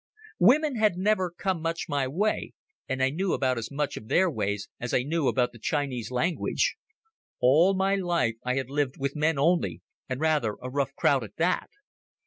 Women had never come much my way, and I knew about as much of their ways as I knew about the Chinese language. All my life I had lived with men only, and rather a rough crowd at that.